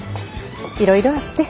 いろいろあって。